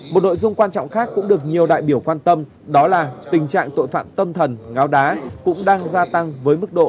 một nội dung quan trọng khác cũng được nhiều đại biểu quan tâm đó là tình trạng tội phạm tâm thần ngáo đá cũng đang gia tăng với mức độ